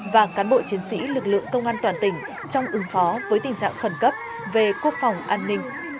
và cán bộ chiến sĩ lực lượng công an toàn tỉnh trong ứng phó với tình trạng khẩn cấp về quốc phòng an ninh